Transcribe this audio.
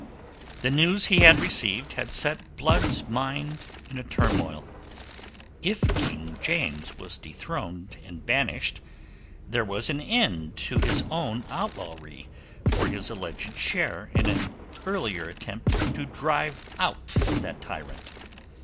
The news he had received had set Blood's mind in a turmoil. If King James was dethroned and banished, there was an end to his own outlawry for his alleged share in an earlier attempt to drive out that tyrant.